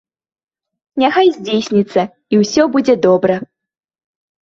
Няхай здзейсніцца, і ўсё будзе добра.